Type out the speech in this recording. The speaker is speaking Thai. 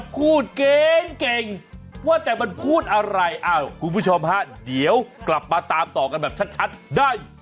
พูดเก่งว่าแต่มันพูดอะไรอ้าวคุณผู้ชมฮะเดี๋ยวกลับมาตามต่อกันแบบชัดได้